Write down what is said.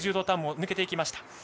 ターンを抜けていきました。